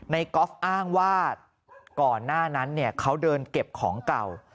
ไนกอล์ฟอ้างว่าก่อนหน้านั้นเนี่ยเขาเดินเก็บของเก่า